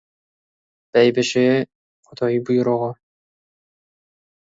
Бәйбіше — Құдай бұйрығы.